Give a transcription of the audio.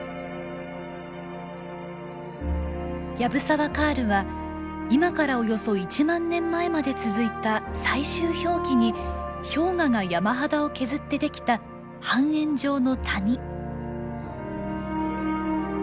藪沢カールは今からおよそ１万年前まで続いた最終氷期に氷河が山肌を削ってできた半円状の谷。